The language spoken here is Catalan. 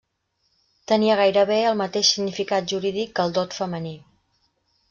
Tenia gairebé el mateix significat jurídic que el dot femení.